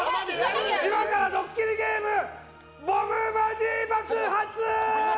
今からドッキリゲームボムマジ爆発！